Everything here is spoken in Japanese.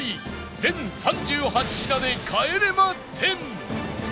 全３８品で帰れま１０